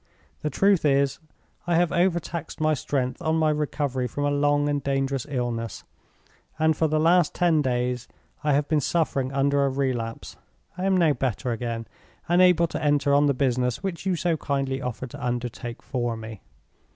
The truth is, I have over taxed my strength on my recovery from a long and dangerous illness; and for the last ten days I have been suffering under a relapse. I am now better again, and able to enter on the business which you so kindly offer to undertake for me.